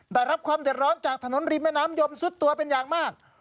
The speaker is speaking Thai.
ได้รับความเดือดร้อนจากถนนริมแม่น้ำยมซุดตัวเป็นอย่างมาก